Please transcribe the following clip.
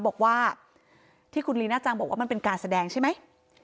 บอกว่าที่คุณลีน่าจังบอกว่ามันเป็นการแสดงใช่ไหม